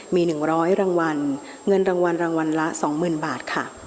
มี๑๐๐รางวัลเงินรางวัลรางวัลละ๒๐๐๐บาทค่ะ